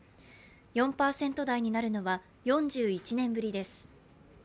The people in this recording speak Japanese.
４％台になるのは４１年ぶりです。